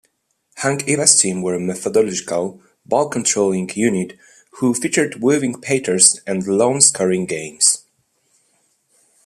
Hank Iba's teams were methodical, ball-controlling units who featured weaving patterns and low-scoring games.